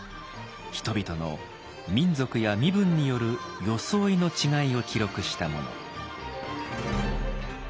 人々の民族や身分による装いの違いを記録したもの。